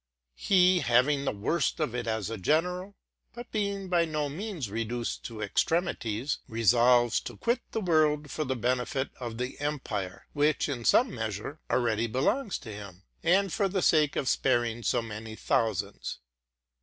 He, having the worst of it as a general, but being by no means reduced to extremities, re solves to quit the world for the benefit of the empire, which in some measure already belongs to him, and for the sake of sparing so many thousands.